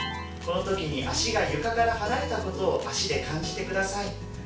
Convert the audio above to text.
この時に足が床から離れたことを足で感じて下さい。